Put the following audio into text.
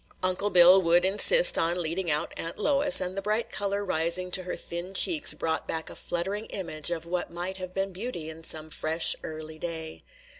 Uncle Bill would insist on leading out Aunt Lois, and the bright color rising to her thin cheeks brought back a fluttering image of what might have been beauty in some fresh, early day.